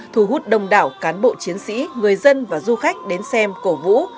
thú hút đồng đảo cán bộ chiến sĩ người dân và du khách đến xem cổ vũ